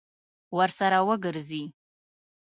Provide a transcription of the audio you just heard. ورسره وګرځي.